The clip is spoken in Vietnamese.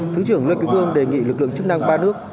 thứ trưởng lê quỳnh vương đề nghị lực lượng chức năng ba nước